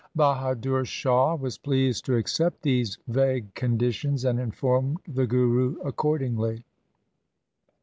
Bahadur Shah was pleased to accept these vague conditions, and informed the Guru accordingly.